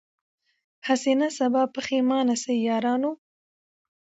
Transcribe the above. هسي نه سبا پښېمانه سی یارانو